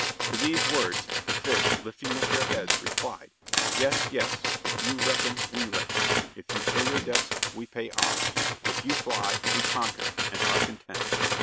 To these words the fish lifting up their heads replied, "Yes, yes. If you reckon, we reckon. If you pay your debts, we pay ours. If you fly, we conquer, and are content."